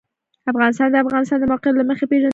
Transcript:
افغانستان د د افغانستان د موقعیت له مخې پېژندل کېږي.